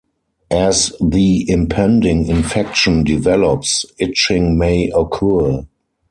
As the impending infection develops, itching may occur.